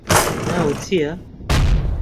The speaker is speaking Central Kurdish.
ناوت چییە؟